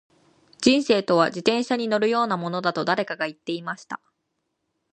•人生とは、自転車に乗るようなものだと誰かが言っていました。